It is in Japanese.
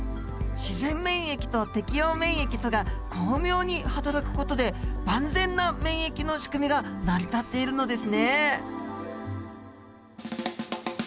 自然免疫と適応免疫とが巧妙にはたらく事で万全な免疫のしくみが成り立っているのですね。